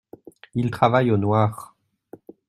Ils travaillent au noir.